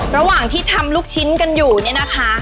ระหว่างที่ทำลูกชิ้นกันอยู่เนี่ยนะคะ